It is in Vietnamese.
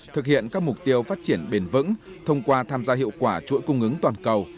thực hiện các mục tiêu phát triển bền vững thông qua tham gia hiệu quả chuỗi cung ứng toàn cầu